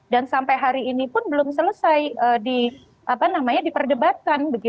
dan sampai hari ini pun belum selesai diperdebatkan